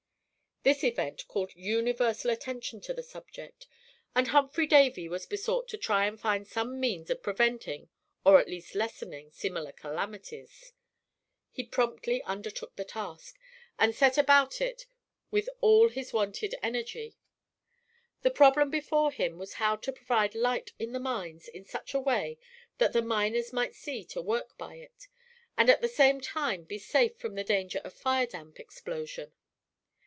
This event called universal attention to the subject, and Humphry Davy was besought to try and find some means of preventing, or at least lessening, similar calamities. He promptly undertook the task, and set about it with all his wonted energy. The problem before him was how to provide light in the mines in such a way that the miners might see to work by it, and at the same time be safe from the danger of fire damp explosion.